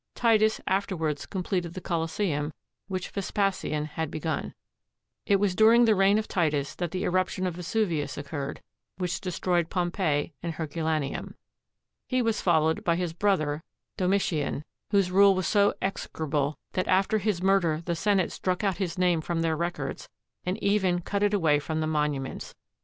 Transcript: Titus afterwards completed the Colosseum, which Vespasian had begun. It was during the reign of Titus that the eruption of Vesuvius occurred which destroyed Pompeii and Herculaneum. He was followed by his brother Domitian, whose rule was so execrable that after his murder the Senate struck out his name from their records, and even cut it away from the monuments.